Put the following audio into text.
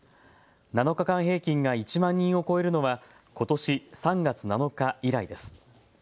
７日間平均が１万人を超えるのはことし３月７日以来です。